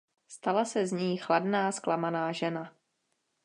Stala se z ní chladná zklamaná žena.